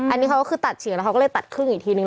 อันนี้เขาก็คือตัดเฉียงแล้วเขาก็เลยตัดครึ่งอีกทีนึ